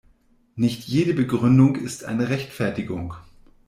Nicht jede Begründung ist eine Rechtfertigung.